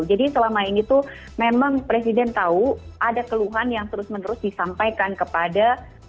jadi selama ini tuh memang presiden tahu ada keluhan yang terus menerus disampaikan kepada